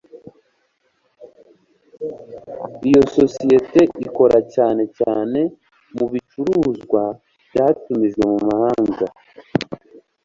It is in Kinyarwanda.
Iyo sosiyete ikora cyane cyane mubicuruzwa byatumijwe mu mahanga